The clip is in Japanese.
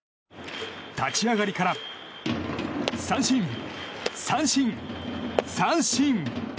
立ち上がりから三振、三振、三振！